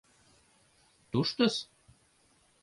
— Туштыс.